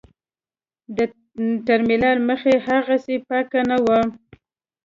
د ټرمینل مخه هاغسې پاکه نه وه.